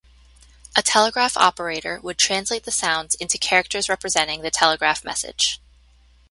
A telegraph operator would translate the sounds into characters representing the telegraph message.